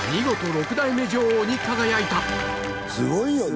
すごいよね！